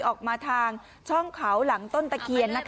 ออกมาทางช่องเขาหลังต้นตะเคียน